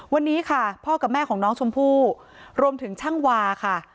วันนี้ค่ะพ่อกับแม่ของน้องชมพู่รวมถึงช่างวาค่ะ